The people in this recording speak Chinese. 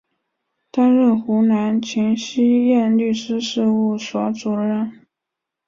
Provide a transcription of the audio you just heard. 担任湖南秦希燕律师事务所主任。